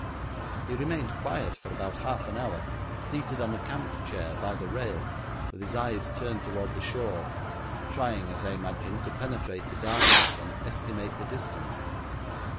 He remained quiet for about half an hour, seated on a camp chair by the rail, with his eyes turned toward the shore, trying, as I imagined, to penetrate the darkness and estimate the distance.